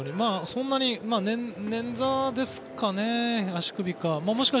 そんなに捻挫ですかね足首か。